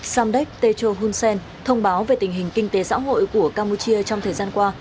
samdek techo hunsen thông báo về tình hình kinh tế xã hội của campuchia trong thời gian qua